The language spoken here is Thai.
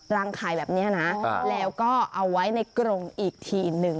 ไข่แบบนี้นะแล้วก็เอาไว้ในกรงอีกทีหนึ่ง